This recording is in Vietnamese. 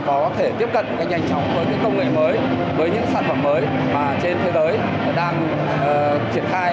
có thể tiếp cận nhanh chóng với công nghệ mới với những sản phẩm mới mà trên thế giới đang triển khai